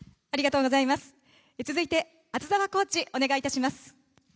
続いて、厚澤コーチお願いいたします。